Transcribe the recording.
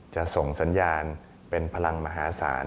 จะส่งสัญญาณเป็นพลังมหาศาล